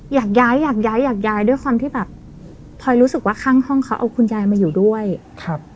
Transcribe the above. อยากย้ายอยากย้ายอยากย้ายด้วยความที่แบบพลอยรู้สึกว่าข้างห้องเขาเอาคุณยายมาอยู่ด้วยครับ